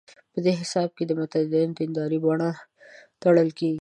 په دې حساب د متدینو د دیندارۍ بڼه تړل کېږي.